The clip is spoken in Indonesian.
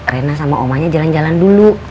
rena sama omanya jalan jalan dulu